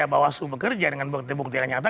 bawaslu bekerja dengan bukti bukti yang nyata